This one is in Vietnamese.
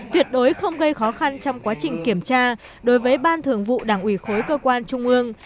tuyệt đối không gây khó khăn trong quá trình kiểm tra đối với ban thường vụ đảng ủy khối cơ quan trung ương